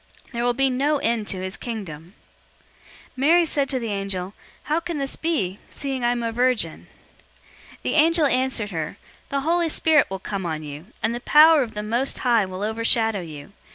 There will be no end to his Kingdom." 001:034 Mary said to the angel, "How can this be, seeing I am a virgin?" 001:035 The angel answered her, "The Holy Spirit will come on you, and the power of the Most High will overshadow you.